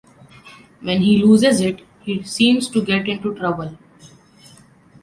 When he loses it, he seems to get into trouble.